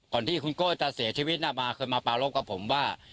ก่อนที่คุณโก้จะเสียชีวิตมาเคยมาปารบกับผมว่า